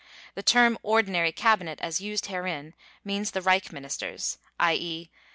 The term "ordinary cabinet" as used herein means the Reich Ministers, i. e.